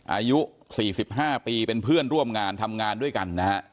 อายุ๔๕ปีเป็นเพื่อนร่วมงานทำงานด้วยกันนะฮะ